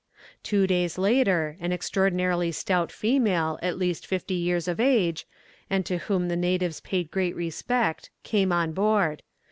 Two days later, an extraordinarily stout female, at least fifty years of age, and to whom the natives paid great respect, came on board.